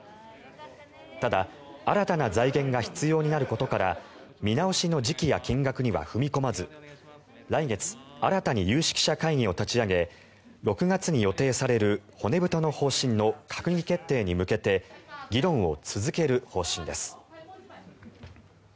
ただ、新たな財源が必要になることから見直しの時期や金額には踏み込まず来月新たに有識者会議を立ち上げ６月に予定される骨太の方針の閣議決定に向けて議論を続ける方針です。